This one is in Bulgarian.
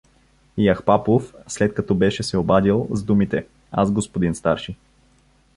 И Ахпапов, след като беше се обадил с думите: „Аз, г-н старши!“